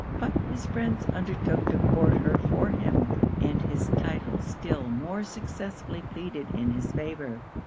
But his friends undertook to court her for him; and his title still more successfully pleaded in his favour.